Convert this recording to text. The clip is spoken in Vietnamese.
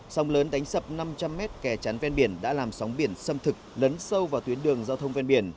sông lớn đánh sập năm trăm linh mét kè chắn ven biển đã làm sóng biển xâm thực lấn sâu vào tuyến đường giao thông ven biển